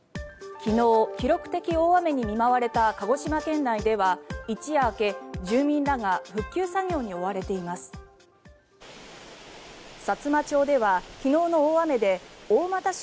昨日記録的大雨に見舞われた鹿児島県内では一夜明け、住民らが復旧作業に追われています。